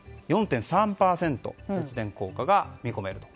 節電効果が見込めると。